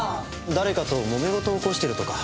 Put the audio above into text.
誰かともめごとを起こしてるとか。